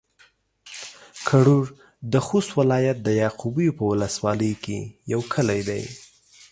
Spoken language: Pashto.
کرړو د خوست ولايت د يعقوبيو په ولسوالۍ کې يو کلی دی